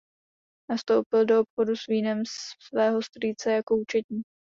Nastoupil do obchodu s vínem svého strýce jako účetní.